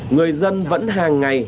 người dân vẫn hàng ngày